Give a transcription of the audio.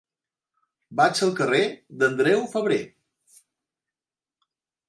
Vaig al carrer d'Andreu Febrer.